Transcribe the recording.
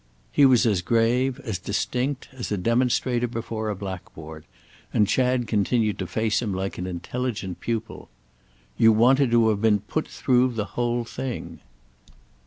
He was as grave, as distinct, as a demonstrator before a blackboard, and Chad continued to face him like an intelligent pupil. "You wanted to have been put through the whole thing."